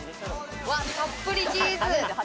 たっぷりチーズ！